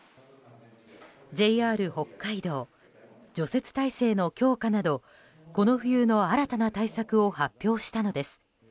ＪＲ北海道除雪体制の強化などこの冬の新たな対策を発表したのです。